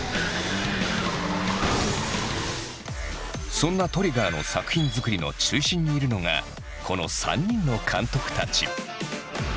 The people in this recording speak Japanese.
そんなＴＲＩＧＧＥＲの作品づくりの中心にいるのがこの３人の監督たち。